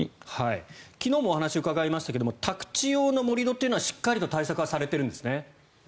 昨日もお話を伺いましたけど宅地用の盛り土はしっかりと対策はされてるんですね。